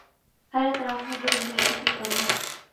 ہر اطراف میں جو گندگی بکھری پڑی ہے۔